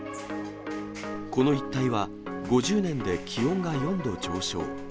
この一帯は、５０年で気温が４度上昇。